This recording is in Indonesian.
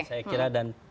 saya kira dan